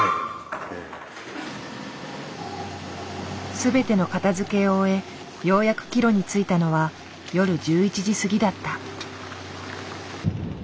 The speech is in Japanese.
全ての片づけを終えようやく帰路に着いたのは夜１１時過ぎだった。